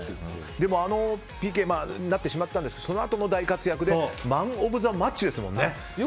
でもＰＫになってしまったんですがそのあとの大活躍でマンオブザマッチですもんね。